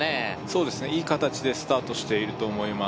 そうですねいい形でスタートしていると思います